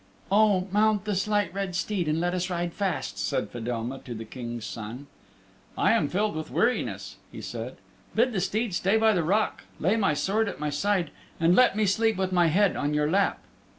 "Oh, mount the Slight Red Steed and let us ride fast," said Fedelma to the King's Son. "I am filled with weariness," he said. "Bid the steed stay by the rock, lay my sword at my side, and let me sleep with my head on your lap."